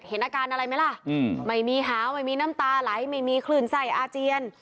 เห็นอาการอะไรไหมล่ะไม่มีหาวไม่มีน้ำตาไหลไม่มีคลื่นไส้อาเจียน